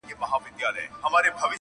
شمع نه په زړه کي دښمني لري!!